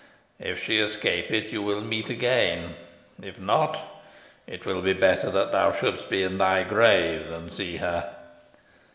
If she escape it you will meet again. If not, it were better thou shouldst be in thy grave than see her.